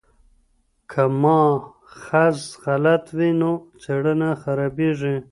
که ماخذ غلط وي نو څېړنه خرابیږي.